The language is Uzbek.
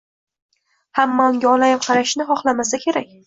Hamma unga olayib qarashini xohlamasa kerak